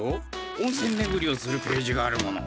温せんめぐりをするページがあるもの。